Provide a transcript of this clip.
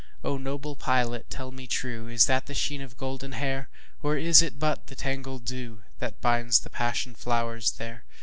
O noble pilot tell me trueIs that the sheen of golden hair? Or is it but the tangled dewThat binds the passion flowers there?